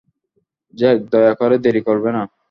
Jack, দয়া করে দেরি করবে না!